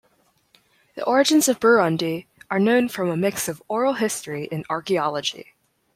The origins of Burundi are known from a mix of oral history and archaeology.